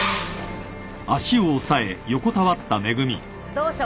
どうした？